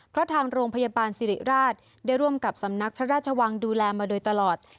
เพราะทางโรงพยาบาลสิริราชได้ร่วมกับสำนักพระราชวังดูแลมาโดยตลอด